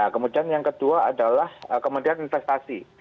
kemudian yang kedua adalah kemudian investasi